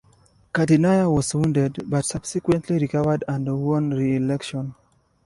Gardenier was wounded, but subsequently recovered and won reelection.